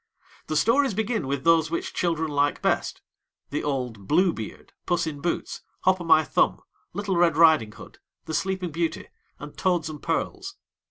The stories begin with those which children like best the old Blue Beard, Puss in Boots, Hop o' my Thumb, Little Red Riding Hood, The Sleeping Beauty, and Toads and Pearls.